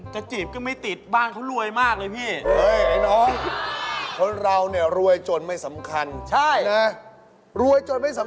แต่ก็ไม่จีบไปบ้านเค้ารวยมากเลยพี่